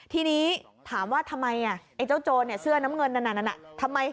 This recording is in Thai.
ทีนี้ถามว่าทำไมเจ้าโจรเสื้อน้ำเงินนั่นน่ะ